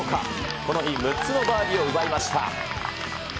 この日、６つのバーディーを奪いました。